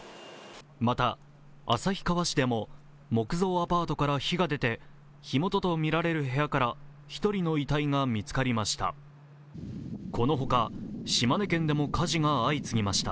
また、旭川市でも木造アパートから火が出て火元とみられる部屋から１人の遺体が見つかりました。